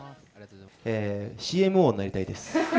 ＣＭ王になりたいです。